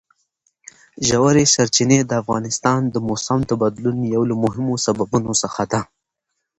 ژورې سرچینې د افغانستان د موسم د بدلون یو له مهمو سببونو څخه ده.